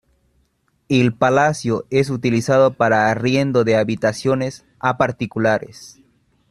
El palacio es utilizado para arriendo de habitaciones a particulares.